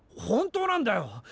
本当なんだよ！